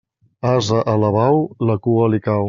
Ase alabau, la cua li cau.